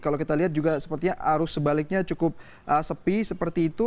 kalau kita lihat juga sepertinya arus sebaliknya cukup sepi seperti itu